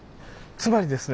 つまりですね。